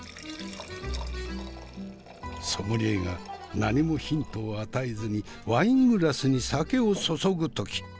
ソムリエが何もヒントを与えずにワイングラスに酒を注ぐ時。